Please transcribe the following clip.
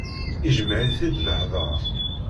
Ijmeɛ-it-id s leḥder.